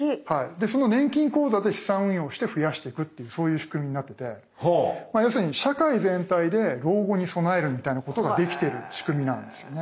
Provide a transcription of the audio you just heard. でその年金口座で資産運用をして増やしていくっていうそういう仕組みになってて要するに社会全体で老後に備えるみたいなことができてる仕組みなんですよね。